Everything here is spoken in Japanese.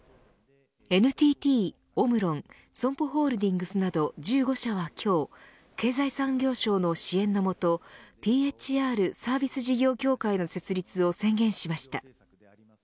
ＮＴＴ、オムロンＳＯＭＰＯホールディングスなど１５社は今日経済産業省の支援のもとＰＨＲサービス事業協会の設立を宣言しました。